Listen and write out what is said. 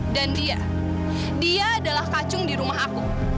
dan dia dia adalah kacung di rumah aku